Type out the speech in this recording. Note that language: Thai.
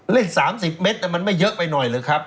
เลข๓๐เมตรมันไม่เยอะไปหน่อยหรือครับ